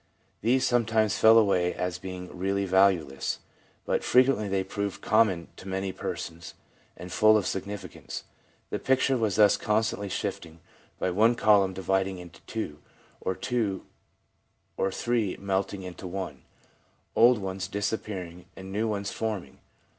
These sometimes fell away as being really valueless, but frequently they proved common to many persons, and full of significance. The picture was thus constantly shifting, by one column dividing into two, two or three melting into one, old ones disappearing, and new ones forming.